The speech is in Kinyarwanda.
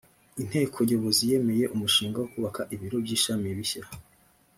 inteko nyobozi yemeye umushinga wo kubaka ibiro by’ishami bishya